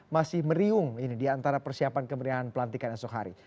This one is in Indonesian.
masih meriung di antara persiapan kemerdekaan pelantikan esok hari